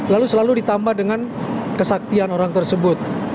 lalu selalu ditambah dengan kesaktian orang tersebut